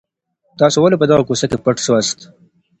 تاسي ولي په دغه کوڅې کي پټ سواست؟